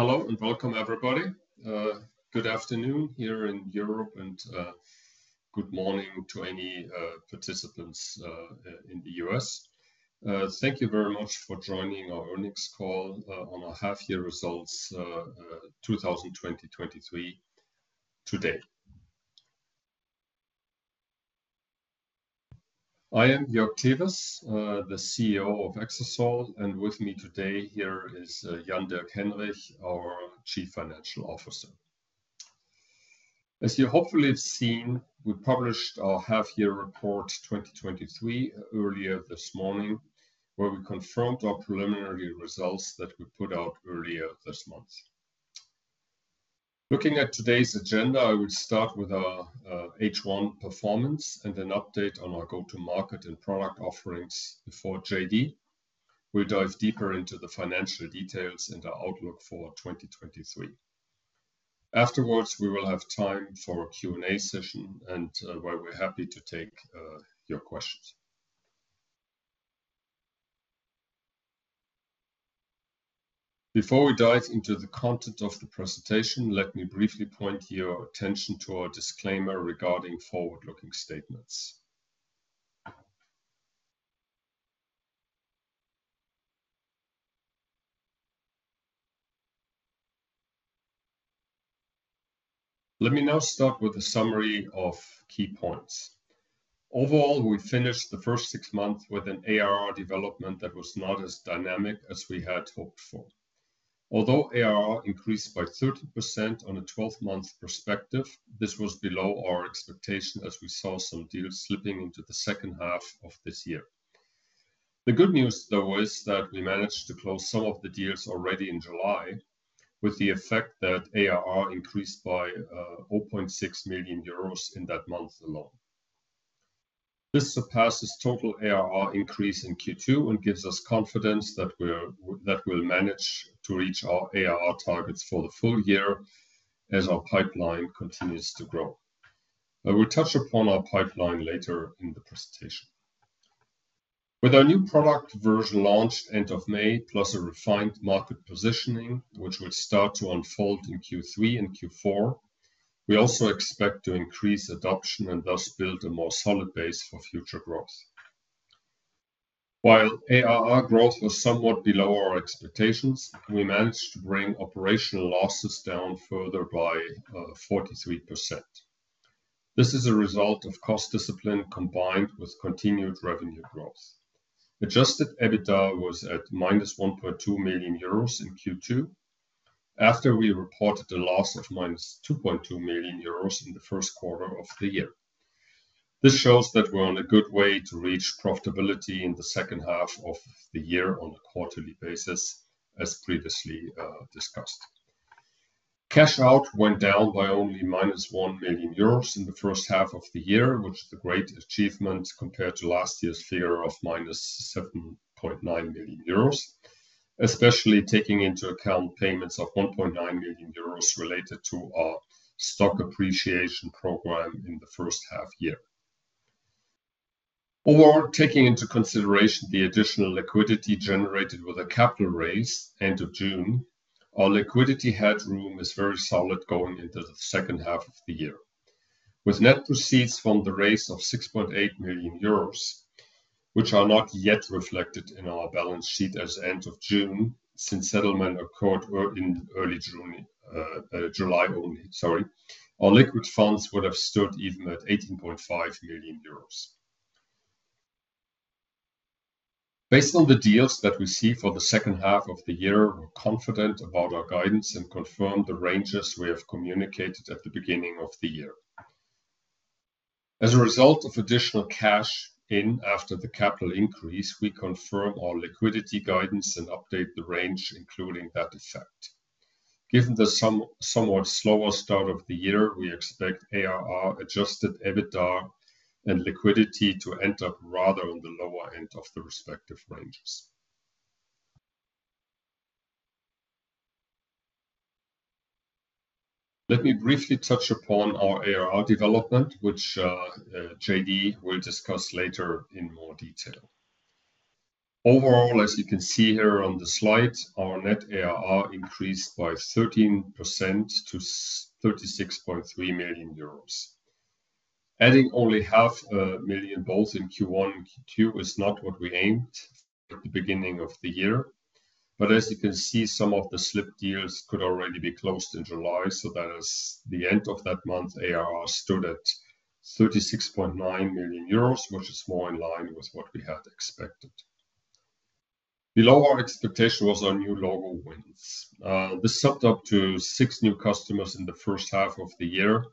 Hello and welcome, everybody. Good afternoon here in Europe, and good morning to any participants in the US. Thank you very much for joining our earnings call on our half-year results 2023 today. I am Jörg Tewes, the CEO of Exasol. With me today here is Jan-Dirk Henrich, our Chief Financial Officer. As you hopefully have seen, we published our half-year report 2023 earlier this morning, where we confirmed our preliminary results that we put out earlier this month. Looking at today's agenda, I will start with our H1 performance and an update on our go-to-market and product offerings. Before JD, we'll dive deeper into the financial details and our outlook for 2023. Afterwards, we will have time for a Q&A session, where we're happy to take your questions. Before we dive into the content of the presentation, let me briefly point your attention to our disclaimer regarding forward-looking statements. Let me now start with a summary of key points. Overall, we finished the first six months with an ARR development that was not as dynamic as we had hoped for. Although ARR increased by 13% on a 12-month perspective, this was below our expectation as we saw some deals slipping into the second half of this year. The good news, though, is that we managed to close some of the deals already in July, with the effect that ARR increased by 0.6 million euros in that month alone. This surpasses total ARR increase in Q2 and gives us confidence that we'll manage to reach our ARR targets for the full year as our pipeline continues to grow. I will touch upon our pipeline later in the presentation. With our new product version launched end of May, plus a refined market positioning, which will start to unfold in Q3 and Q4, we also expect to increase adoption and thus build a more solid base for future growth. While ARR growth was somewhat below our expectations, we managed to bring operational losses down further by 43%. This is a result of cost discipline combined with continued revenue growth. Adjusted EBITDA was at -1.2 million euros in Q2, after we reported a loss of -2.2 million euros in the 1st quarter of the year. This shows that we're on a good way to reach profitability in the second half of the year on a quarterly basis, as previously discussed. Cash out went down by only -1 million euros in the first half of the year, which is a great achievement compared to last year's figure of −7.9 million euros, especially taking into account payments of 1.9 million euros related to our stock appreciation program in the first half year. Overall, taking into consideration the additional liquidity generated with a capital raise end of June, our liquidity headroom is very solid going into the second half of the year. With net proceeds from the raise of 6.8 million euros, which are not yet reflected in our balance sheet as end of June, since settlement occurred early June, July only, sorry, our liquid funds would have stood even at 18.5 million euros. Based on the deals that we see for the second half of the year, we're confident about our guidance and confirm the ranges we have communicated at the beginning of the year. As a result of additional cash in after the capital increase, we confirm our liquidity guidance and update the range, including that effect. Given the somewhat slower start of the year, we expect ARR, Adjusted EBITDA and liquidity to end up rather on the lower end of the respective ranges. Let me briefly touch upon our ARR development, which JD will discuss later in more detail. Overall, as you can see here on the slide, our net ARR increased by 13% to 36.3 million euros. Adding only 0.5 million both in Q1 and Q2 is not what we aimed at the beginning of the year. As you can see, some of the slipped deals could already be closed in July, so that as the end of that month, ARR stood at 36.9 million euros, which is more in line with what we had expected. Below our expectation was our new logo wins. This summed up to six new customers in the first half of the year,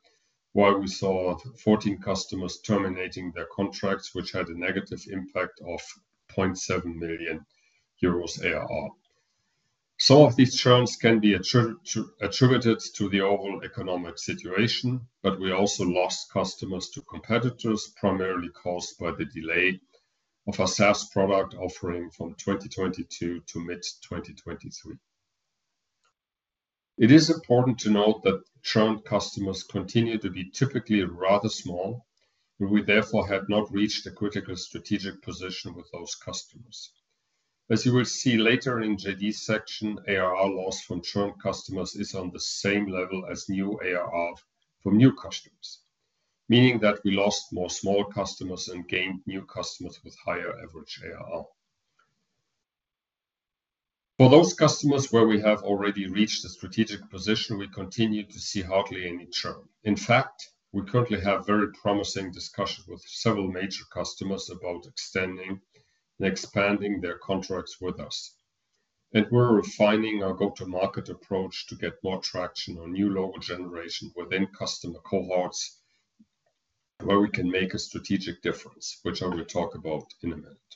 while we saw 14 customers terminating their contracts, which had a negative impact of 0.7 million euros ARR. Some of these churns can be attributed to the overall economic situation. We also lost customers to competitors, primarily caused by the delay of our SaaS product offering from 2022-mid-2023. It is important to note that churned customers continue to be typically rather small. We therefore have not reached a critical strategic position with those customers. As you will see later in JD's section, ARR loss from churn customers is on the same level as new ARR from new customers, meaning that we lost more small customers and gained new customers with higher average ARR. For those customers where we have already reached a strategic position, we continue to see hardly any churn. In fact, we currently have very promising discussions with several major customers about extending and expanding their contracts with us. We're refining our go-to-market approach to get more traction on new logo generation within customer cohorts, where we can make a strategic difference, which I will talk about in a minute.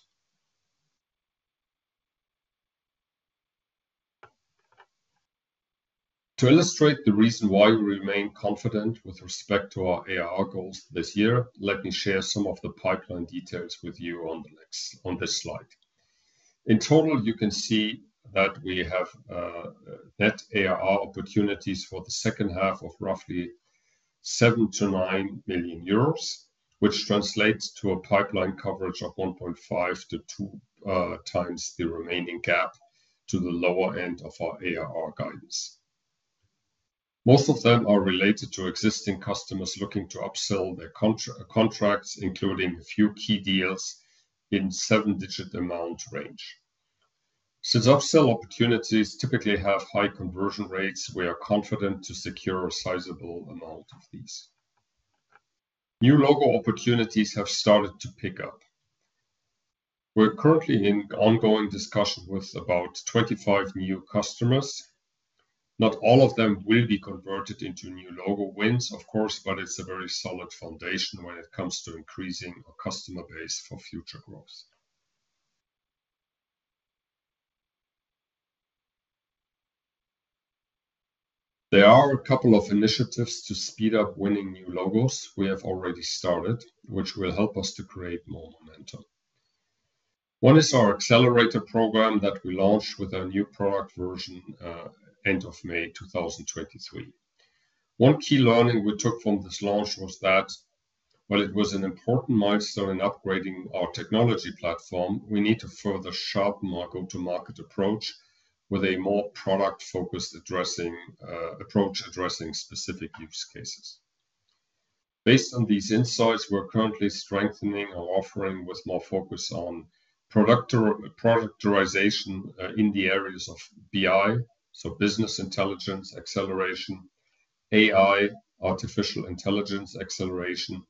To illustrate the reason why we remain confident with respect to our ARR goals this year, let me share some of the pipeline details with you on this slide. In total, you can see that we have net ARR opportunities for the second half of roughly 7 million-9 million euros, which translates to a pipeline coverage of 1.5x-2x the remaining gap to the lower end of our ARR guidance. Most of them are related to existing customers looking to upsell their contracts, including a few key deals in seven-digit amount range. Since upsell opportunities typically have high conversion rates, we are confident to secure a sizable amount of these. New logo opportunities have started to pick up. We're currently in ongoing discussions with about 25 new customers. Not all of them will be converted into new logo wins, of course, but it's a very solid foundation when it comes to increasing our customer base for future growth. There are a couple of initiatives to speed up winning new logos we have already started, which will help us to create more momentum. One is our accelerator program that we launched with our new product version, end of May 2023. One key learning we took from this launch was that while it was an important milestone in upgrading our technology platform, we need to further sharpen our go-to-market approach with a more product-focused addressing, approach, addressing specific use cases. Based on these insights, we're currently strengthening our offering with more focus on productization in the areas of BI, so business intelligence acceleration, AI, artificial intelligence acceleration,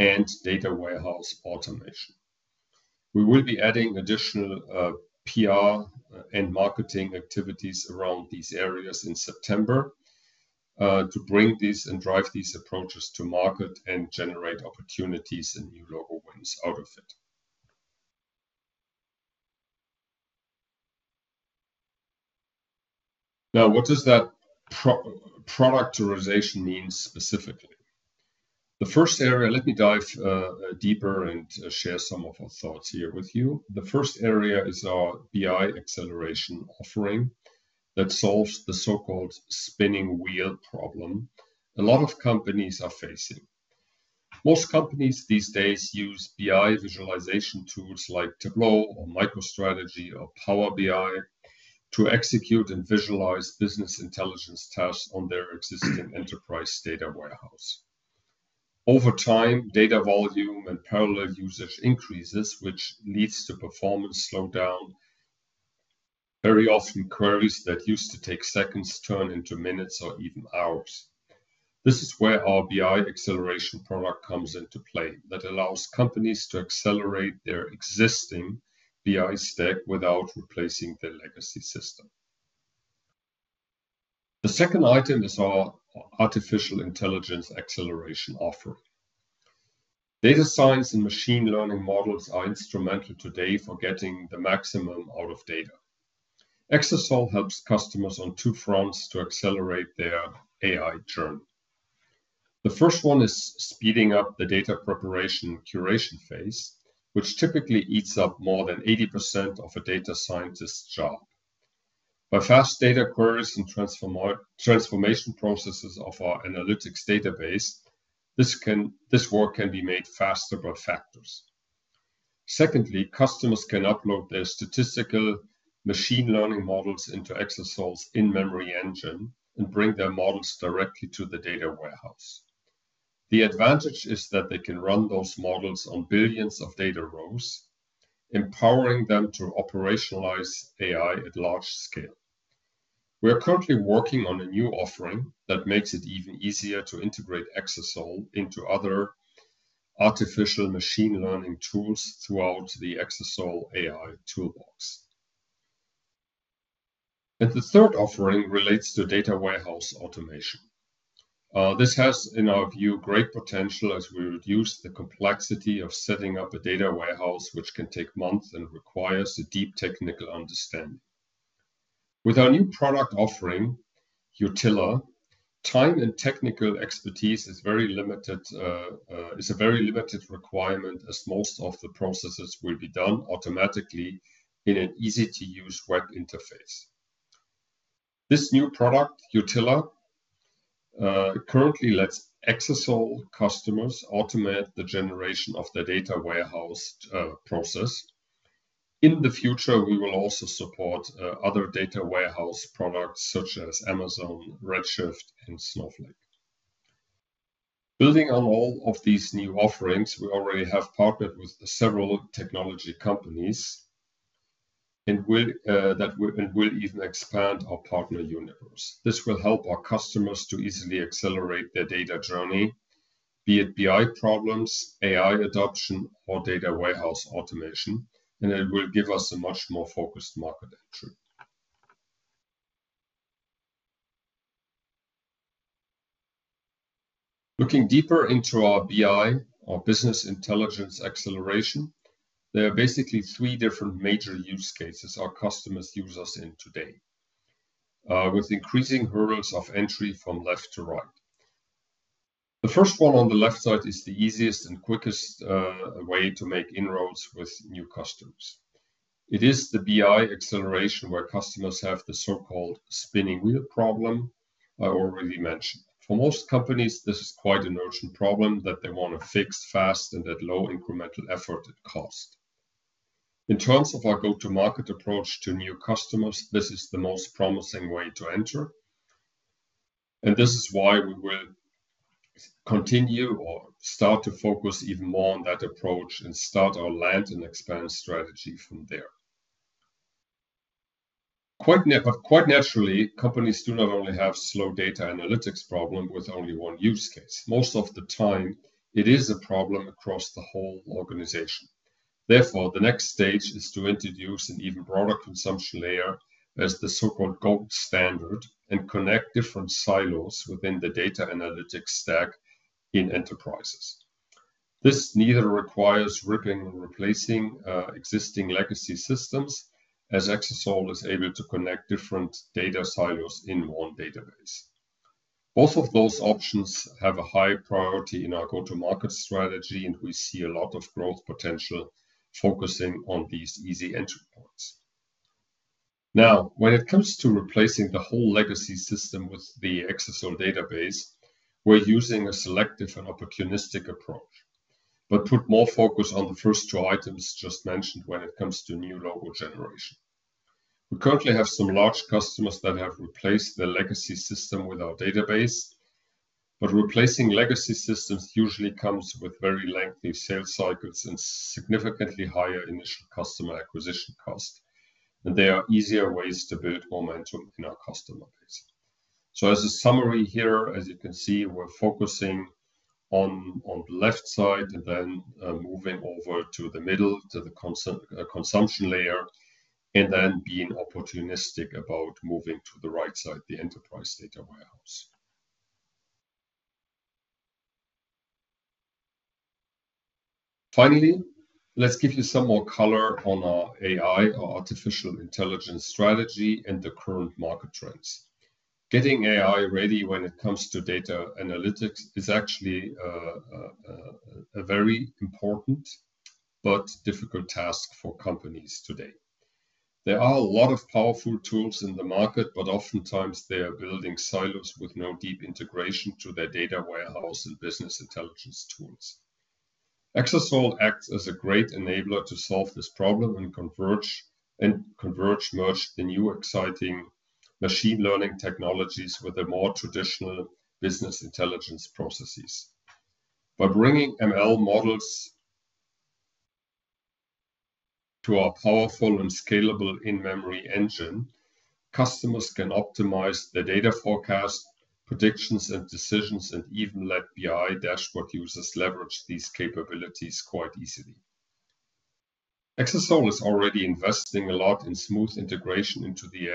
and data warehouse automation. We will be adding additional PR and marketing activities around these areas in September to bring these and drive these approaches to market and generate opportunities and new logo wins out of it. What does that productization mean specifically? Let me dive deeper and share some of our thoughts here with you. The first area is our BI acceleration offering that solves the so-called spinning wheel problem a lot of companies are facing. Most companies these days use BI visualization tools like Tableau or MicroStrategy or Power BI to execute and visualize business intelligence tasks on their existing enterprise data warehouse. Over time, data volume and parallel usage increases, which leads to performance slowdown. Very often, queries that used to take seconds turn into minutes or even hours. This is where our BI acceleration product comes into play, that allows companies to accelerate their existing BI stack without replacing their legacy system. The second item is our artificial intelligence acceleration offering. Data science and machine learning models are instrumental today for getting the maximum out of data. Exasol helps customers on two fronts to accelerate their AI journey. The first one is speeding up the data preparation curation phase, which typically eats up more than 80% of a data scientist's job. By fast data queries and transformation processes of our analytics database, this work can be made faster by factors. Secondly, customers can upload their statistical machine learning models into Exasol's in-memory engine and bring their models directly to the data warehouse. The advantage is that they can run those models on billions of data rows, empowering them to operationalize AI at large scale. We are currently working on a new offering that makes it even easier to integrate Exasol into other artificial machine learning tools throughout the Exasol AI Lab. The third offering relates to data warehouse automation. This has, in our view, great potential as we reduce the complexity of setting up a data warehouse, which can take months and requires a deep technical understanding. With our new product offering, Yotilla, time and technical expertise is very limited, is a very limited requirement, as most of the processes will be done automatically in an easy-to-use web interface. This new product, Yotilla, currently lets Exasol customers automate the generation of their data warehouse process. In the future, we will also support other data warehouse products, such as Amazon Redshift and Snowflake. Building on all of these new offerings, we already have partnered with several technology companies, and we'll and will even expand our partner universe. This will help our customers to easily accelerate their data journey, be it BI problems, AI adoption, or data warehouse automation, and it will give us a much more focused market entry. Looking deeper into our BI, our business intelligence acceleration, there are basically three different major use cases our customers use us in today, with increasing hurdles of entry from left to right. The first one on the left side is the easiest and quickest way to make inroads with new customers. It is the BI acceleration, where customers have the so-called spinning wheel problem I already mentioned. For most companies, this is quite an urgent problem that they want to fix fast and at low incremental effort and cost. In terms of our go-to-market approach to new customers, this is the most promising way to enter, and this is why we will continue or start to focus even more on that approach and start our land and expand strategy from there. Quite naturally, companies do not only have slow data analytics problem with only one use case. Most of the time, it is a problem across the whole organization. Therefore, the next stage is to introduce an even broader consumption layer as the so-called gold standard and connect different silos within the data analytics stack in enterprises. This neither requires ripping and replacing existing legacy systems, as Exasol is able to connect different data silos in one database. Both of those options have a high priority in our go-to-market strategy, and we see a lot of growth potential focusing on these easy entry points. When it comes to replacing the whole legacy system with the Exasol database, we're using a selective and opportunistic approach, but put more focus on the first two items just mentioned when it comes to new logo generation. We currently have some large customers that have replaced their legacy system with our database, but replacing legacy systems usually comes with very lengthy sales cycles and significantly higher initial customer acquisition cost, and there are easier ways to build momentum in our customer base. As a summary here, as you can see, we're focusing on, on the left side and then moving over to the middle, to the consumption layer, and then being opportunistic about moving to the right side, the enterprise data warehouse. Finally, let's give you some more color on our AI, or artificial intelligence, strategy and the current market trends. Getting AI ready when it comes to data analytics is actually a very important but difficult task for companies today. There are a lot of powerful tools in the market, but oftentimes they are building silos with no deep integration to their data warehouse and business intelligence tools. Exasol acts as a great enabler to solve this problem and converge, and converge, merge the new exciting machine learning technologies with the more traditional business intelligence processes. By bringing ML models to our powerful and scalable in-memory engine, customers can optimize their data forecast, predictions, and decisions, and even let BI dashboard users leverage these capabilities quite easily. Exasol is already investing a lot in smooth integration into the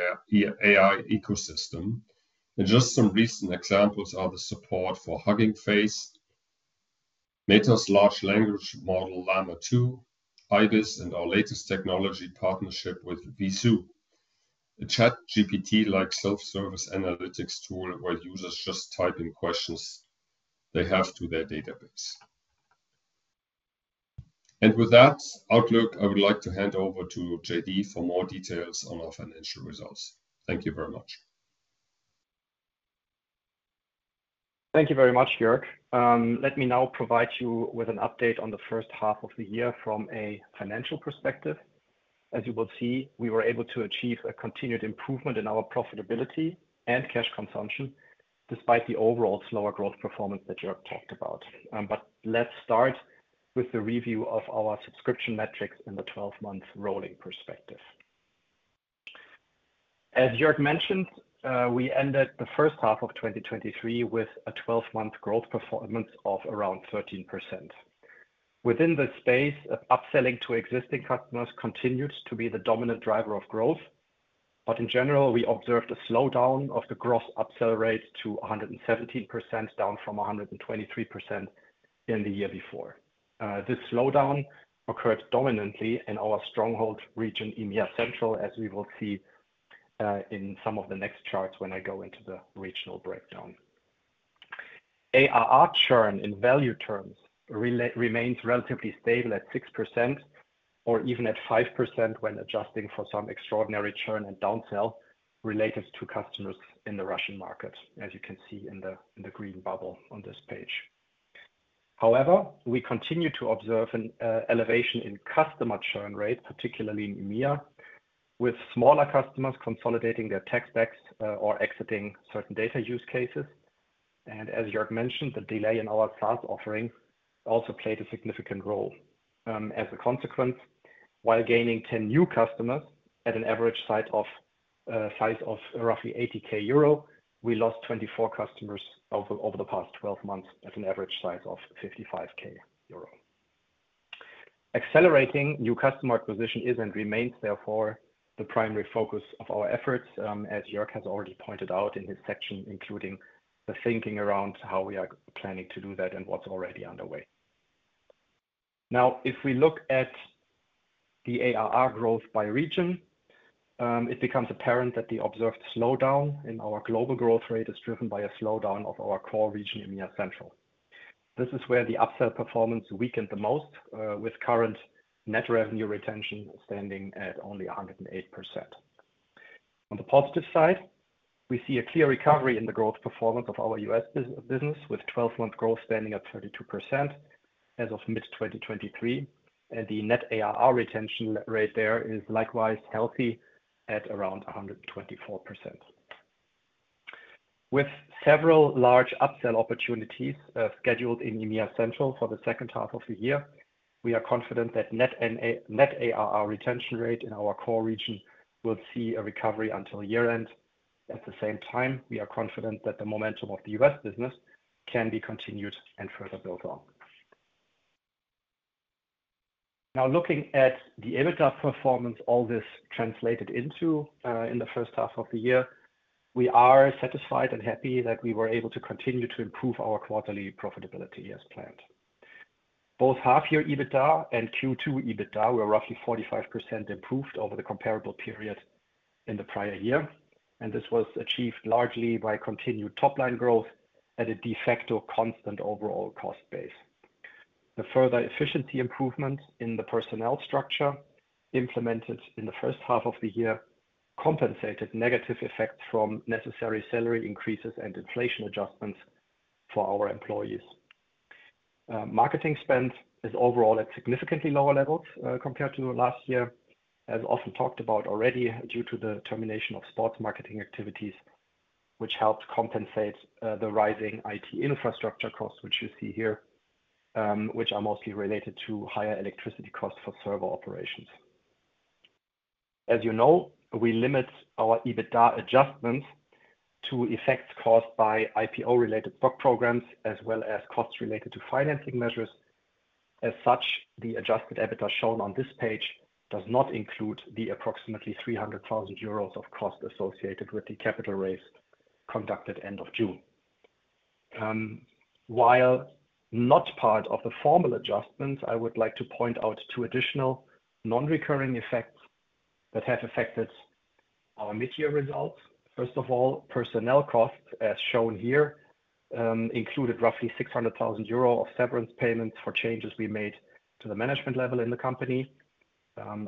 AI ecosystem, just some recent examples are the support for Hugging Face, Meta's large language model, Llama 2, Ibis, and our latest technology partnership with Veezoo, a ChatGPT-like self-service analytics tool, where users just type in questions they have to their database. With that outlook, I would like to hand over to JD for more details on our financial results. Thank you very much. Thank you very much, Jörg. Let me now provide you with an update on the 1st half of the year from a financial perspective. As you will see, we were able to achieve a continued improvement in our profitability and cash consumption, despite the overall slower growth performance that Jörg talked about. Let's start with the review of our subscription metrics in the 12-month rolling perspective. As Jörg mentioned, we ended the first half of 2023 with a 12-month growth performance of around 13%. Within this space, upselling to existing customers continues to be the dominant driver of growth. In general, we observed a slowdown of the gross upsell rate to 117%, down from 123% in the year before. This slowdown occurred dominantly in our stronghold region, EMEA Central, as we will see in some of the next charts when I go into the regional breakdown. ARR churn in value terms remains relatively stable at 6% or even at 5% when adjusting for some extraordinary churn and downsell related to customers in the Russian market, as you can see in the green bubble on this page. However, we continue to observe an elevation in customer churn rate, particularly in EMEA, with smaller customers consolidating their tech stacks or exiting certain data use cases. As Jörg mentioned, the delay in our SaaS offering also played a significant role. As a consequence, while gaining 10 new customers at an average size of roughly 80k euro, we lost 24 customers over the past 12 months at an average size of 55k euro. Accelerating new customer acquisition is and remains, therefore, the primary focus of our efforts, as Jörg has already pointed out in his section, including the thinking around how we are planning to do that and what's already underway. Now, if we look at the ARR growth by region, it becomes apparent that the observed slowdown in our global growth rate is driven by a slowdown of our core region, EMEA Central. This is where the upsell performance weakened the most, with current net revenue retention standing at only 108%. On the positive side, we see a clear recovery in the growth performance of our US business, with 12-month growth standing at 32% as of mid-2023. The net ARR retention rate there is likewise healthy at around 124%. With several large upsell opportunities scheduled in EMEA Central for the second half of the year, we are confident that net ARR retention rate in our core region will see a recovery until year-end. At the same time, we are confident that the momentum of the US business can be continued and further built on. Now, looking at the EBITDA performance, all this translated into in the first half of the year, we are satisfied and happy that we were able to continue to improve our quarterly profitability as planned. Both half-year EBITDA and Q2 EBITDA were roughly 45% improved over the comparable period in the prior year. This was achieved largely by continued top-line growth at a de facto constant overall cost base. The further efficiency improvement in the personnel structure, implemented in the first half of the year, compensated negative effects from necessary salary increases and inflation adjustments for our employees. Marketing spend is overall at significantly lower levels compared to last year, as often talked about already, due to the termination of sports marketing activities, which helped compensate the rising IT infrastructure costs, which you see here, which are mostly related to higher electricity costs for server operations. As you know, we limit our EBITDA adjustments to effects caused by IPO-related stock programs, as well as costs related to financing measures. As such, the Adjusted EBITDA shown on this page does not include the approximately 300,000 euros of cost associated with the capital raise conducted end of June. While not part of the formal adjustments, I would like to point out two additional non-recurring effects that have affected our mid-year results. First of all, personnel costs, as shown here, included roughly 600,000 euro of severance payments for changes we made to the management level in the company.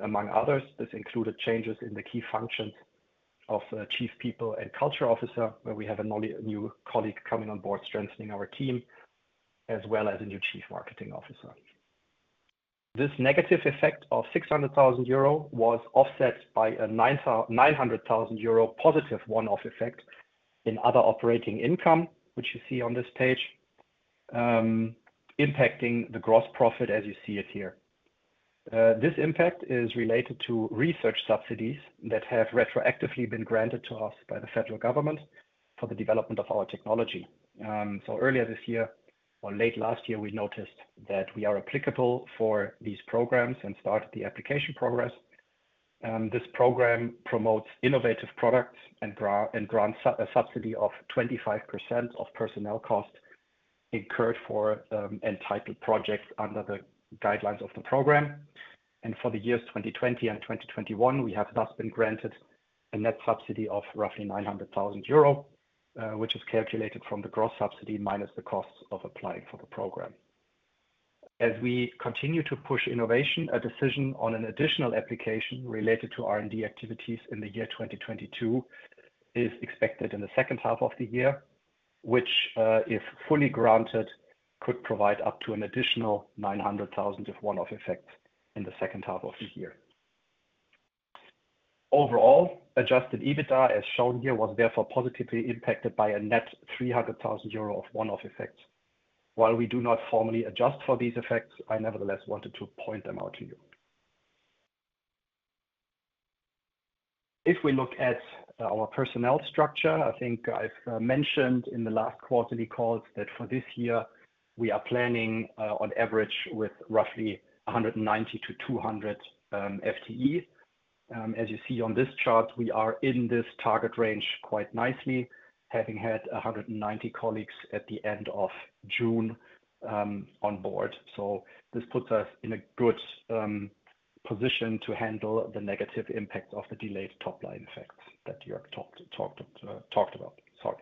Among others, this included changes in the key functions of Chief People and Culture Officer, where we have a nolly- new colleague coming on board, strengthening our team, as well as a new Chief Marketing Officer. This negative effect of 600,000 euro was offset by a 900,000 euro positive one-off effect in other operating income, which you see on this page, impacting the gross profit as you see it here. This impact is related to research subsidies that have retroactively been granted to us by the federal government for the development of our technology. Earlier this year or late last year, we noticed that we are applicable for these programs and started the application progress. This program promotes innovative products and grants a subsidy of 25% of personnel costs incurred for entitled projects under the guidelines of the program. For the years 2020 and 2021, we have thus been granted a net subsidy of roughly 900,000 euro, which is calculated from the gross subsidy minus the costs of applying for the program. As we continue to push innovation, a decision on an additional application related to R&D activities in the year 2022 is expected in the second half of the year, which, if fully granted, could provide up to an additional 900,000 of one-off effects in the second half of the year. Overall, Adjusted EBITDA, as shown here, was therefore positively impacted by a net 300,000 euro of one-off effects. While we do not formally adjust for these effects, I nevertheless wanted to point them out to you. If we look at our personnel structure, I think I've mentioned in the last quarterly calls that for this year, we are planning on average with roughly 190-200 FTE. As you see on this chart, we are in this target range quite nicely, having had 190 colleagues at the end of June on board. This puts us in a good positioned to handle the negative impact of the delayed top-line effects that Jörg talked about. Sorry.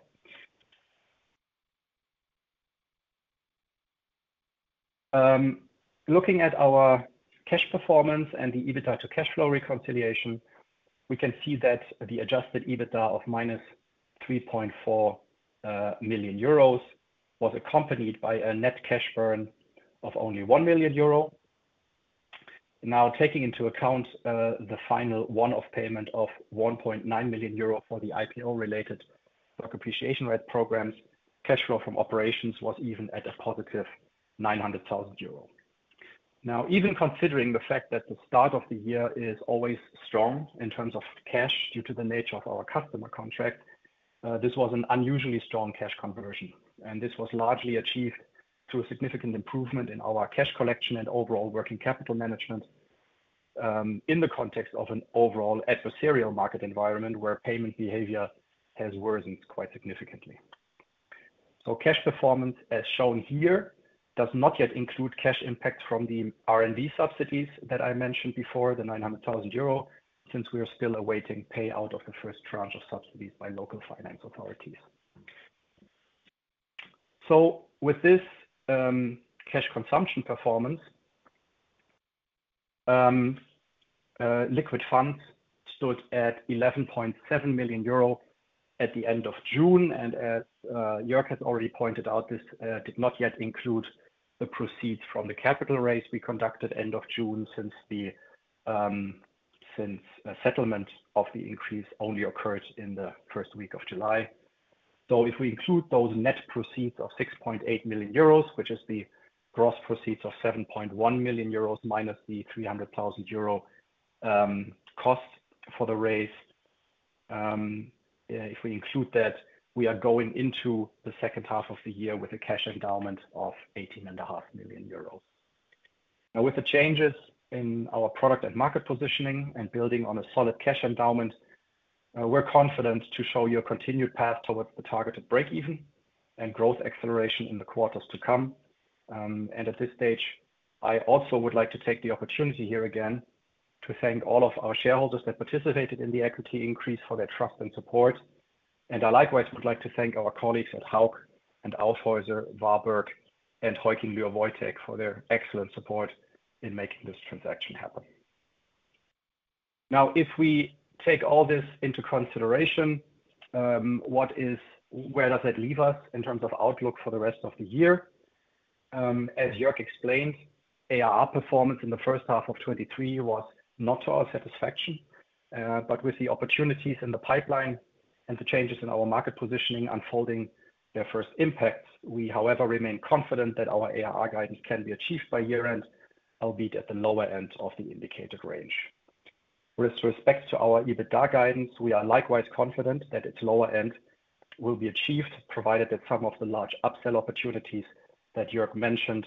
Looking at our cash performance and the EBITDA to cash flow reconciliation, we can see that the adjusted EBITDA of -3.4 million euros was accompanied by a net cash burn of only 1 million euro. Taking into account the final one-off payment of 1.9 million euro for the IPO-related stock appreciation rights program, cash flow from operations was even at a positive 900,000 euro. Even considering the fact that the start of the year is always strong in terms of cash, due to the nature of our customer contract, this was an unusually strong cash conversion. This was largely achieved through a significant improvement in our cash collection and overall working capital management in the context of an overall adversarial market environment where payment behavior has worsened quite significantly. Cash performance, as shown here, does not yet include cash impacts from the R&D subsidies that I mentioned before, the 900,000 euro, since we are still awaiting payout of the first tranche of subsidies by local finance authorities. With this cash consumption performance, liquid funds stood at 11.7 million euro at the end of June, and as Jörg has already pointed out, this did not yet include the proceeds from the capital raise we conducted end of June, since a settlement of the increase only occurred in the first week of July. If we include those net proceeds of 6.8 million euros, which is the gross proceeds of 7.1 million euros, minus the 300,000 euro cost for the raise, if we include that, we are going into the second half of the year with a cash endowment of 18.5 million euros. With the changes in our product and market positioning and building on a solid cash endowment, we're confident to show you a continued path towards the targeted break-even and growth acceleration in the quarters to come. At this stage, I also would like to take the opportunity here again, to thank all of our shareholders that participated in the equity increase for their trust and support. I likewise would like to thank our colleagues at Hauck Aufhäuser Lampe, Warburg, and Heuking Kühn Lüer Wojtek for their excellent support in making this transaction happen. If we take all this into consideration, where does that leave us in terms of outlook for the rest of the year? As Jörg explained, ARR performance in the first half of 2023 was not to our satisfaction, but with the opportunities in the pipeline and the changes in our market positioning unfolding their first impact, we, however, remain confident that our ARR guidance can be achieved by year-end, albeit at the lower end of the indicated range. With respect to our EBITDA guidance, we are likewise confident that its lower end will be achieved, provided that some of the large upsell opportunities that Jörg mentioned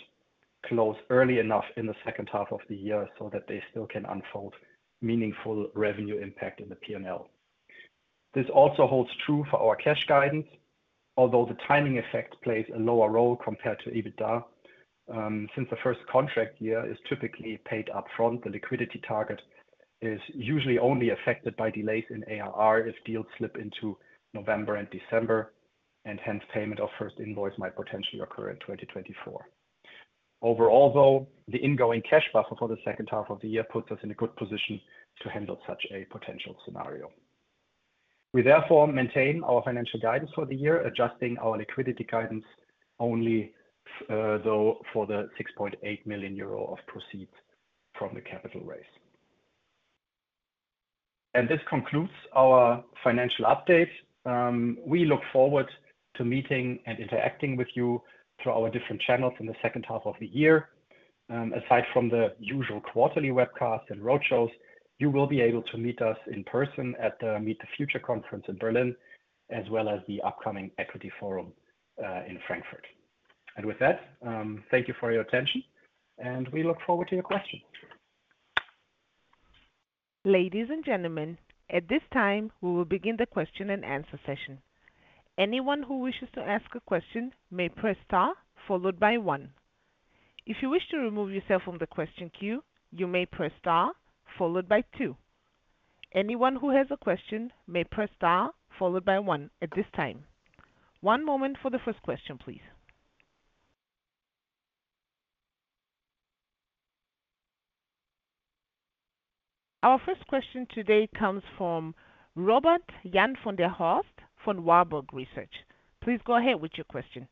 close early enough in the second half of the year so that they still can unfold meaningful revenue impact in the P&L. This also holds true for our cash guidance, although the timing effect plays a lower role compared to EBITDA. Since the first contract year is typically paid upfront, the liquidity target is usually only affected by delays in ARR if deals slip into November and December, and hence payment of first invoice might potentially occur in 2024. Overall, though, the ingoing cash buffer for the second half of the year puts us in a good position to handle such a potential scenario. We therefore maintain our financial guidance for the year, adjusting our liquidity guidance only, though, for the 6.8 million euro of proceeds from the capital raise. This concludes our financial update. We look forward to meeting and interacting with you through our different channels in the second half of the year. Aside from the usual quarterly webcasts and roadshows, you will be able to meet us in person at the Meet the Future conference in Berlin, as well as the upcoming Equity Forum in Frankfurt. With that, thank you for your attention, and we look forward to your questions. Ladies and gentlemen, at this time, we will begin the question and answer session. Anyone who wishes to ask a question may press star followed by one. If you wish to remove yourself from the question queue, you may press star followed by two. Anyone who has a question may press star followed by one at this time. One moment for the first question, please. Our first question today comes from Robert-Jan van der Horst from Warburg Research. Please go ahead with your question.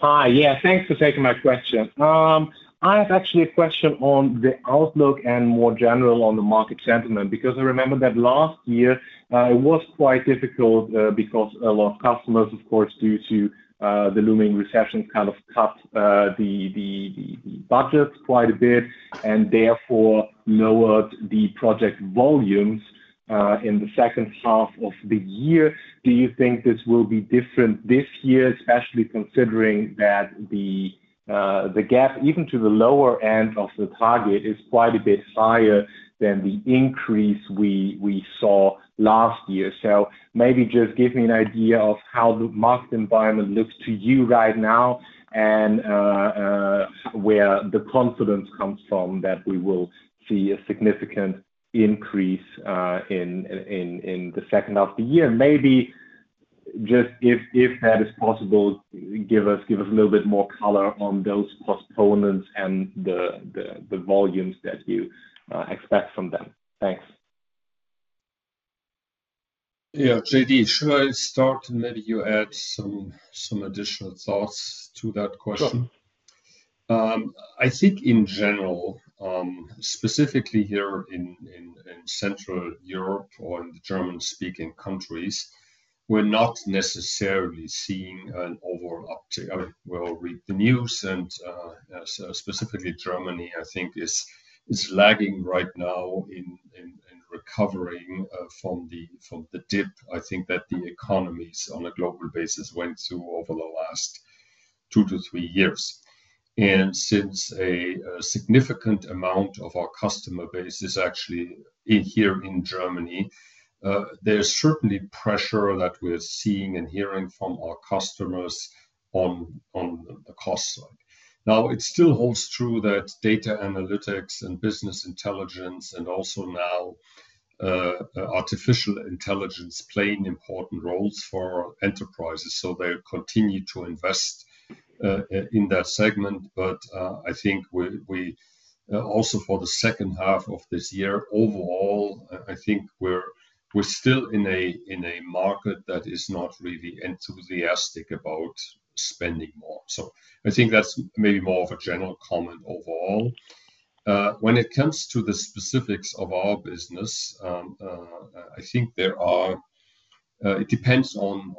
Hi. Yeah, thanks for taking my question. I have actually a question on the outlook and more general on the market sentiment, because I remember that last year, it was quite difficult, because a lot of customers, of course, due to the looming recession, kind of cut the, the, the budget quite a bit and therefore lowered the project volumes in the second half of the year. Do you think this will be different this year, especially considering that the gap, even to the lower end of the target, is quite a bit higher than the increase we, we saw last year? Maybe just give me an idea of how the market environment looks to you right now and where the confidence comes from, that we will see a significant increase in, in, in the second half of the year. Maybe just if, if that is possible, give us, give us a little bit more color on those components and the, the, the volumes that you expect from them. Thanks. Yeah, JD, should I start, and maybe you add some, some additional thoughts to that question? Sure. I think in general, specifically here in Central Europe or in the German-speaking countries, we're not necessarily seeing an overall uptick. I mean, we all read the news, specifically Germany, I think is lagging right now in recovering from the dip I think that the economies on a global basis went through over the last 2-3 years. Since a significant amount of our customer base is actually here in Germany, there's certainly pressure that we're seeing and hearing from our customers on the cost side. Now, it still holds true that data analytics and business intelligence, and also now artificial intelligence, play an important roles for enterprises, they continue to invest in that segment. I think we, we, also for the second half of this year, overall, I, I think we're, we're still in a, in a market that is not really enthusiastic about spending more. I think that's maybe more of a general comment overall. When it comes to the specifics of our business, I think there are. It depends on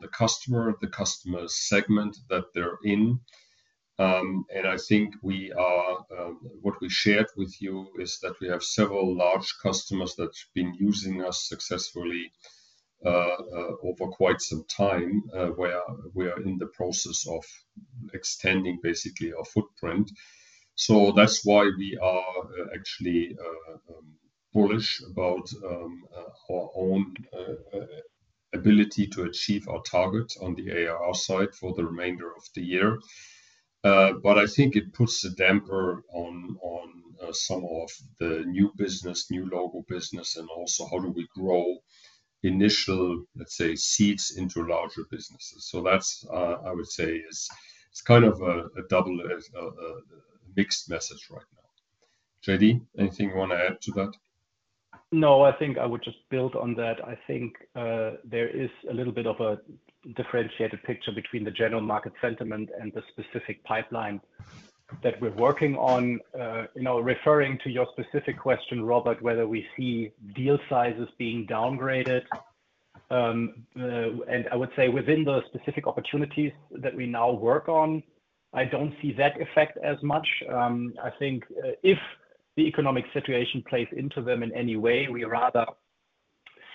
the customer, the customer segment that they're in. I think we are what we shared with you is that we have several large customers that's been using us successfully over quite some time, where we are in the process of extending basically our footprint. That's why we are actually bullish about our own ability to achieve our target on the ARR side for the remainder of the year. I think it puts a damper on, on, some of the new business, new logo business, and also how do we grow initial, let's say, seeds into larger businesses. That's, I would say is, it's kind of a, a double, mixed message right now. JD, anything you want to add to that? No, I think I would just build on that. I think there is a little bit of a differentiated picture between the general market sentiment and the specific pipeline that we're working on. You know, referring to your specific question, Robert, whether we see deal sizes being downgraded, I would say within the specific opportunities that we now work on, I don't see that effect as much. I think if the economic situation plays into them in any way, we rather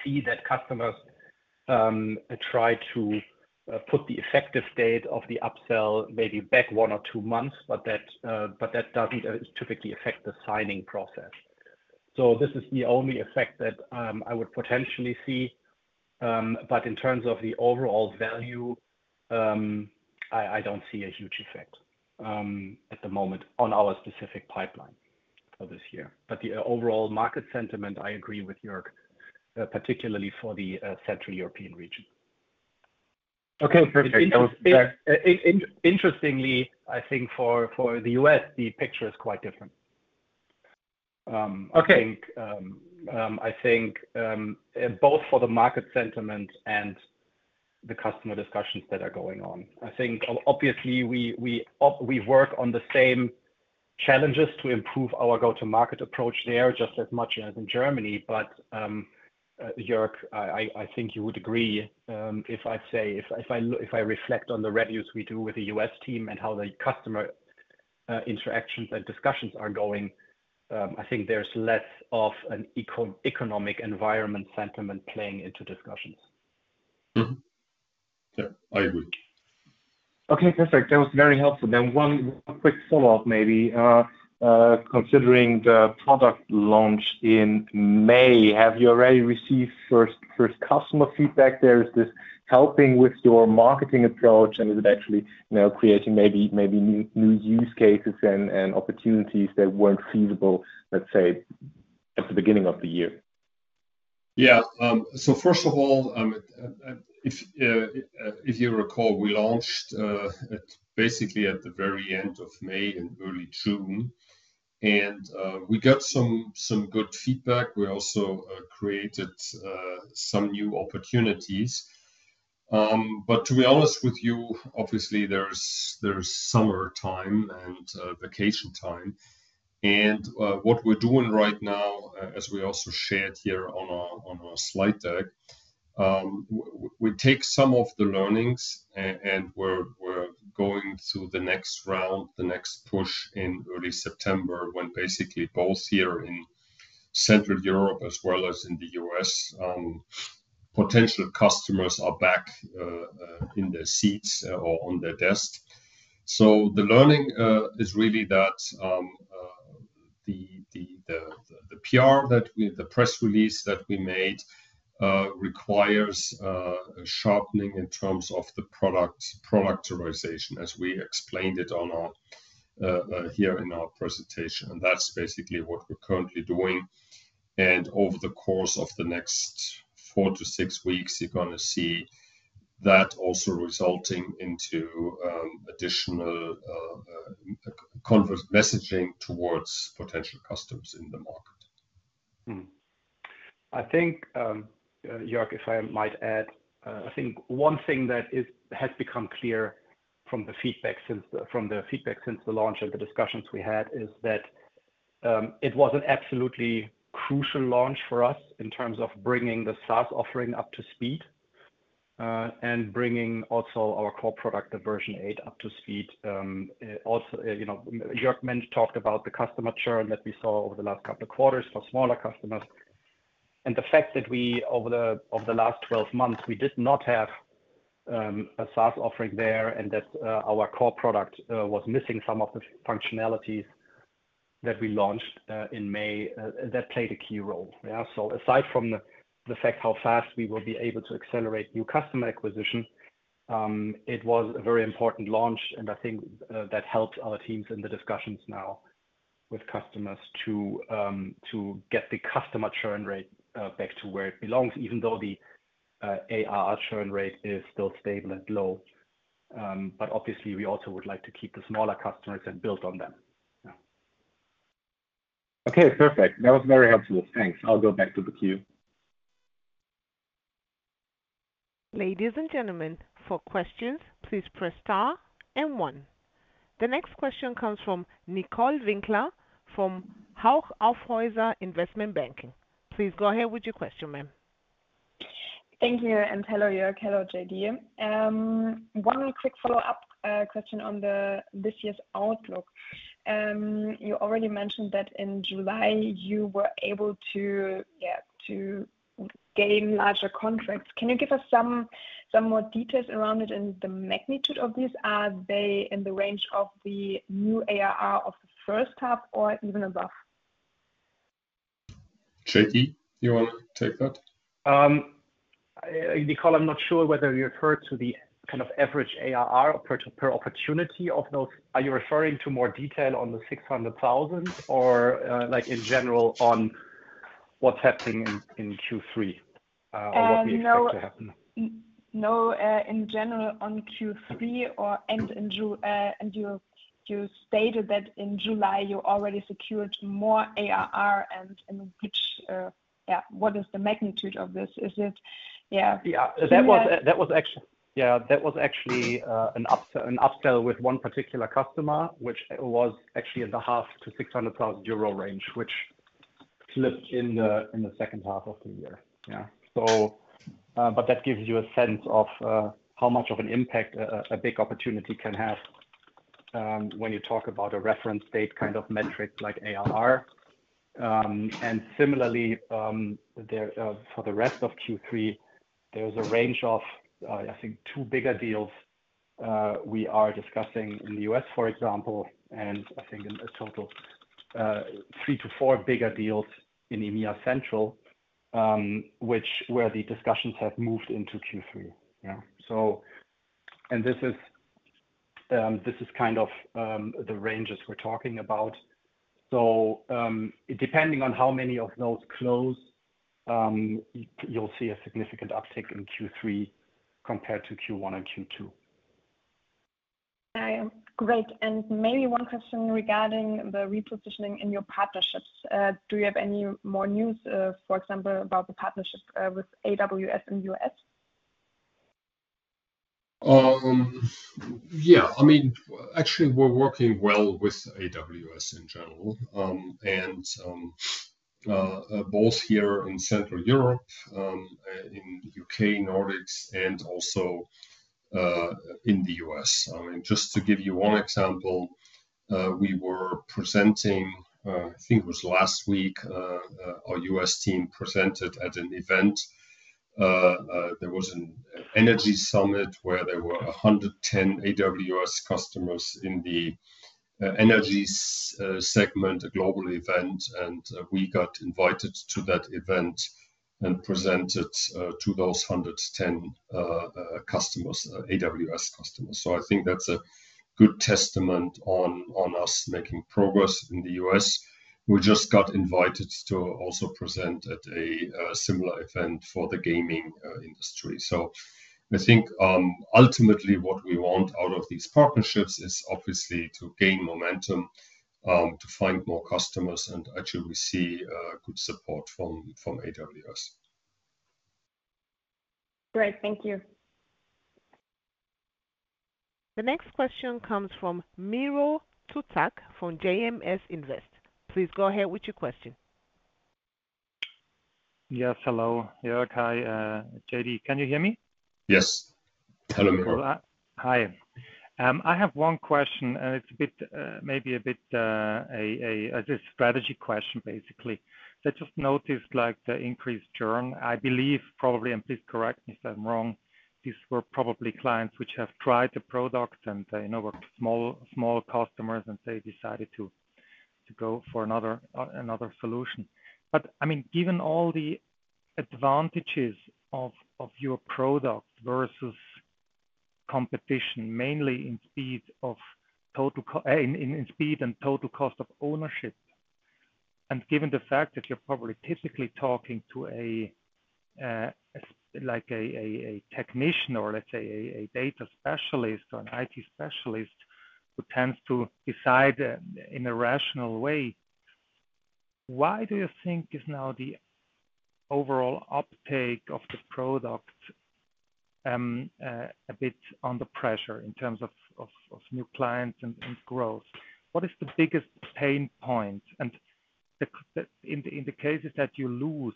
see that customers try to put the effective date of the upsell maybe back one or two months, that doesn't typically affect the signing process. This is the only effect that I would potentially see. In terms of the overall value, I, I don't see a huge effect at the moment on our specific pipeline for this year. The overall market sentiment, I agree with Jörg, particularly for the Central European region. Okay, perfect. That was- Interestingly, I think for the U.S., the picture is quite different. Okay. I think, I think, both for the market sentiment and the customer discussions that are going on. I think obviously we, we, we work on the same challenges to improve our go-to-market approach there just as much as in Germany. Jörg, I, I, I think you would agree, if I say, if I look if I reflect on the reviews we do with the U.S. team and how the customer interactions and discussions are going, I think there's less of an economic environment sentiment playing into discussions. Mm-hmm. Yeah, I agree. Okay, perfect. That was very helpful. One quick follow-up, maybe. Considering the product launch in May, have you already received first, first customer feedback there? Is this helping with your marketing approach, and is it actually, you know, creating maybe, maybe new, new use cases and, and opportunities that weren't feasible, let's say, at the beginning of the year? Yeah. So first of all, if you recall, we launched at basically at the very end of May and early June, and we got some good feedback. We also created some new opportunities. But to be honest with you, obviously there's summer time and vacation time. What we're doing right now, as we also shared here on our slide deck, we take some of the learnings and we're going through the next round, the next push in early September, when basically both here in Central Europe as well as in the U.S., potential customers are back in their seats or on their desk. The learning is really that the PR that we... The press release that we made requires sharpening in terms of the product, productization, as we explained it on our here in our presentation. That's basically what we're currently doing. Over the course of the next four to six weeks, that also resulting into additional convert messaging towards potential customers in the market. I think Jörg, if I might add, I think one thing that has become clear from the feedback since the, from the feedback since the launch and the discussions we had, is that it was an absolutely crucial launch for us in terms of bringing the SaaS offering up to speed, and bringing also our core product, the Exasol 8, up to speed. Also, you know, Jörg mentioned, talked about the customer churn that we saw over the last couple of quarters for smaller customers, and the fact that we, over the, over the last 12 months, we did not have a SaaS offering there, and that our core product was missing some of the functionalities that we launched in May, that played a key role. Yeah. Aside from the fact how fast we will be able to accelerate new customer acquisition, it was a very important launch. I think that helped our teams in the discussions now with customers to get the customer churn rate back to where it belongs, even though the ARR churn rate is still stable and low. Obviously, we also would like to keep the smaller customers and build on them. Yeah. Okay, perfect. That was very helpful. Thanks. I'll go back to the queue. Ladies and gentlemen, for questions, please press Star and One. The next question comes from Nicole Winkler from Hauck Aufhäuser Investment Banking. Please go ahead with your question, ma'am. Thank you, and hello, Jörg. Hello, JD. One quick follow-up question on the, this year's outlook. You already mentioned that in July you were able to, yeah, to gain larger contracts. Can you give us some, some more details around it and the magnitude of this? Are they in the range of the new ARR of the first half or even above? JD, you want to take that? Nicole, I'm not sure whether you refer to the kind of average ARR per opportunity of those. Are you referring to more detail on the 600,000 or like in general, on what's happening in Q3 or what we expect to happen? No. In general, on Q3 or and in July, and you, you stated that in July you already secured more ARR, and in which, Yeah, what is the magnitude of this? Is it... Yeah. Yeah. That was, that was actually, yeah, that was actually an upsell with one particular customer, which was actually in the 500,000-600,000 euro range, which slipped in the, in the second half of the year. Yeah. But that gives you a sense of how much of an impact a, a big opportunity can have, when you talk about a reference date kind of metric like ARR. Similarly, there, for the rest of Q3, there's a range of I think 2 bigger deals, we are discussing in the U.S., for example, and I think in a total, three to four bigger deals in EMEA Central, which where the discussions have moved into Q3. Yeah, so... This is, this is kind of the ranges we're talking about. Depending on how many of those close, you'll see a significant uptick in Q3 compared to Q1 and Q2. Great. Maybe one question regarding the repositioning in your partnerships. Do you have any more news, for example, about the partnership with AWS in the U.S.? Yeah, I mean, actually, we're working well with AWS in general, and both here in Central Europe, in U.K., Nordics, and also in the U.S. I mean, just to give you one example, we were presenting, I think it was last week, our U.S. team presented at an event. There was an energy summit where there were 110 AWS customers in the energy segment, a global event, and we got invited to that event and presented to those 110 customers, AWS customers. I think that's a good testament on us making progress in the U.S. We just got invited to also present at a similar event for the gaming industry. I think, ultimately, what we want out of these partnerships is obviously to gain momentum, to find more customers, and actually, we see good support from, from AWS. Great, thank you. The next question comes from Miro Zuzak from JMS Invest. Please go ahead with your question. Yes, hello. Jörg, hi, JD, can you hear me? Yes. Hello, Miro. Hi. I have 1 question, and it's a bit, maybe a bit, a strategy question, basically. I just noticed, like, the increased churn. I believe probably, and please correct me if I'm wrong, these were probably clients which have tried the product, and they, you know, were small, small customers, and they decided to go for another, another solution. I mean, given all the advantages of your product versus competition, mainly in speed of total in speed and total cost of ownership-... given the fact that you're probably typically talking to a, a, like a, a, a technician or let's say a, a data specialist or an IT specialist who tends to decide, in a rational way, why do you think is now the overall uptake of the product, a bit under pressure in terms of, of, of new clients and, and growth? What is the biggest pain point? In the, in the cases that you lose,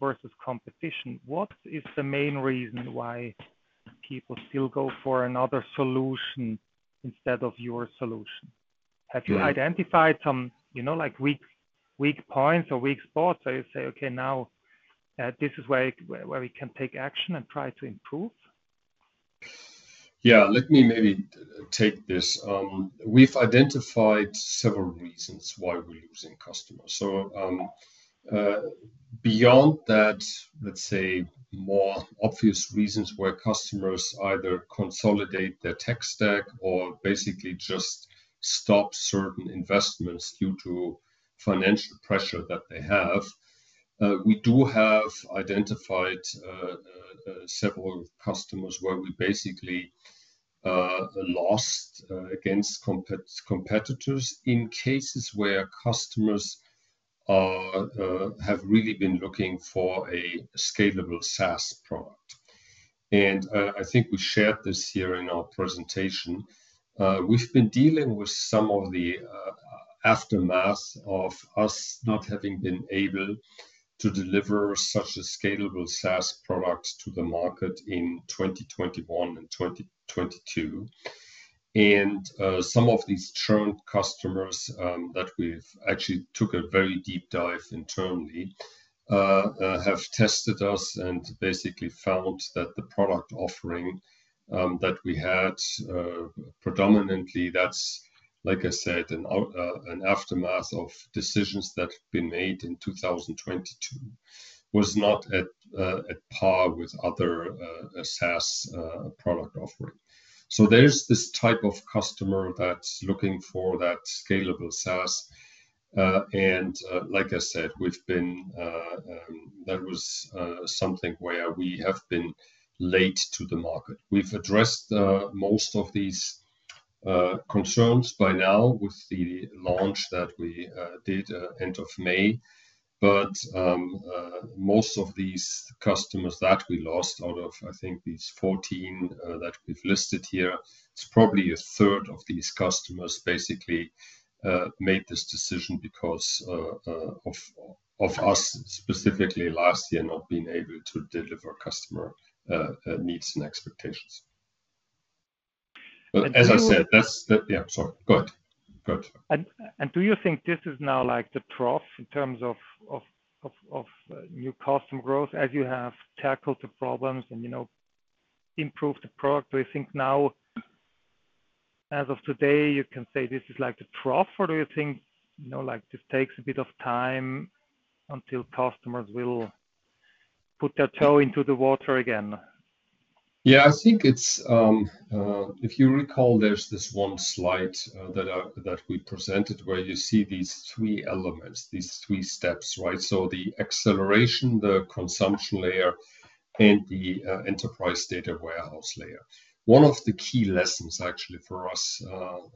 versus competition, what is the main reason why people still go for another solution instead of your solution? Yeah. Have you identified some, you know, like, weak, weak points or weak spots, so you say, "Okay, now, this is where, where, where we can take action and try to improve? Yeah, let me maybe take this. We've identified several reasons why we're losing customers. Beyond that, let's say, more obvious reasons where customers either consolidate their tech stack or basically just stop certain investments due to financial pressure that they have, we do have identified several customers where we basically lost against competitors in cases where customers are have really been looking for a scalable SaaS product. I think we shared this here in our presentation. We've been dealing with some of the aftermath of us not having been able to deliver such a scalable SaaS product to the market in 2021 and 2022. Some of these churned customers that we've actually took a very deep dive internally have tested us and basically found that the product offering that we had predominantly, that's, like I said, an aftermath of decisions that have been made in 2022, was not at par with other SaaS product offering. There's this type of customer that's looking for that scalable SaaS. Like I said, we've been that was something where we have been late to the market. We've addressed most of these concerns by now with the launch that we did end of May. Most of these customers that we lost out of, I think these 14 that we've listed here, it's probably a third of these customers basically made this decision because of us specifically last year not being able to deliver customer needs and expectations. And do you- As I said, that's the. Yeah, sorry. Go ahead. Go ahead. And do you think this is now like the trough in terms of, of, of, of, new customer growth as you have tackled the problems and, you know, improved the product? Do you think now, as of today, you can say this is like the trough, or do you think, you know, like, this takes a bit of time until customers will put their toe into the water again? Yeah, I think it's, if you recall, there's this one slide that I, that we presented where you see these three elements, these three steps, right? The acceleration, the consumption layer, and the enterprise data warehouse layer. One of the key lessons actually for us,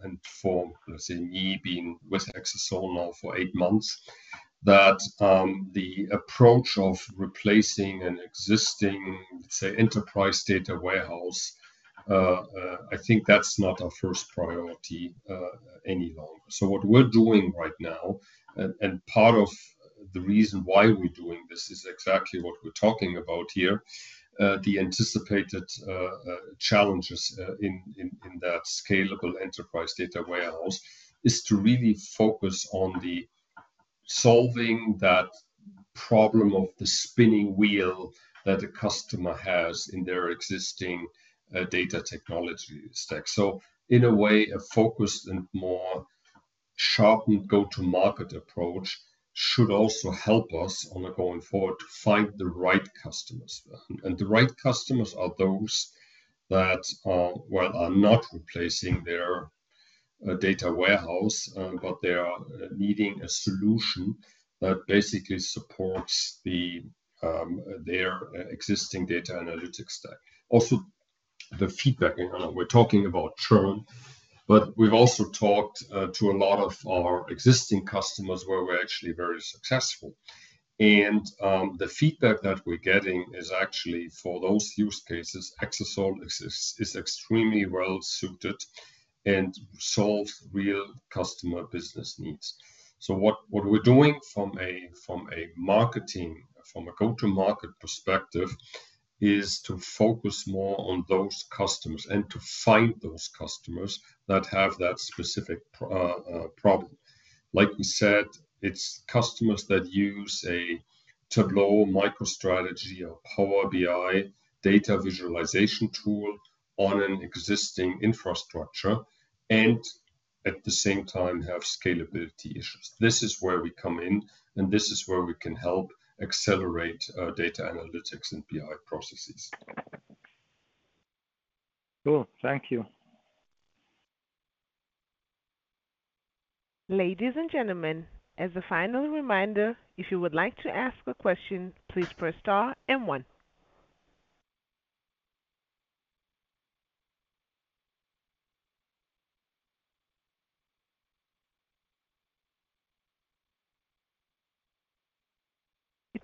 and for, let's say, me being with Exasol now for eight months, that the approach of replacing an existing, let's say, enterprise data warehouse, I think that's not our first priority any longer. What we're doing right now, and, and part of the reason why we're doing this is exactly what we're talking about here, the anticipated challenges in that scalable enterprise data warehouse, is to really focus on the solving that problem of the spinning wheel that a customer has in their existing data technology stack. In a way, a focused and more sharpened go-to-market approach should also help us on a going forward to find the right customers. The right customers are those that, well, are not replacing their data warehouse, but they are needing a solution that basically supports the their existing data analytics stack. Also, the feedback. You know, we're talking about churn, but we've also talked to a lot of our existing customers where we're actually very successful, and the feedback that we're getting is actually, for those use cases, Exasol is, is extremely well suited and solves real customer business needs. What, what we're doing from a, from a marketing, from a go-to-market perspective, is to focus more on those customers and to find those customers that have that specific problem. Like we said, it's customers that use a Tableau, MicroStrategy, or Power BI data visualization tool on an existing infrastructure and at the same time have scalability issues. This is where we come in, and this is where we can help accelerate data analytics and BI processes. Cool. Thank you. Ladies and gentlemen, as a final reminder, if you would like to ask a question, please press star and one.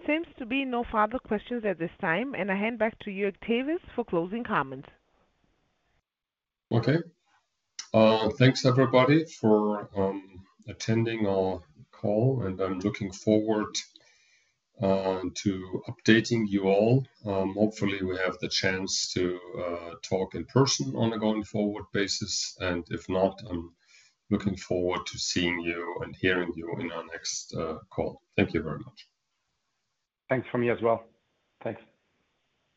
It seems to be no further questions at this time. I hand back to Joerg Tewes for closing comments. Okay. Thanks, everybody, for attending our call, and I'm looking forward to updating you all. Hopefully, we have the chance to talk in person on a going-forward basis, and if not, I'm looking forward to seeing you and hearing you in our next call. Thank you very much. Thanks from me as well. Thanks.